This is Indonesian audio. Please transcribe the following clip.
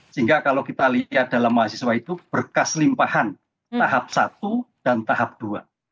sehingga kalau kita lihat dalam mahasiswa itu berkas limpahan tahap satu dan tahap dua